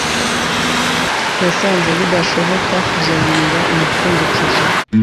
Yasanze bidashoboka kuzamura umupfundikizo.